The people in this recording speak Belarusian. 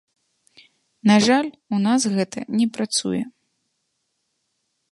На жаль, у нас гэта не працуе.